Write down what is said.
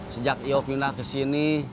sejak iyofilm lah ke sini